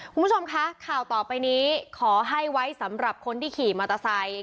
คุณผู้ชมคะข่าวต่อไปนี้ขอให้ไว้สำหรับคนที่ขี่มอเตอร์ไซค์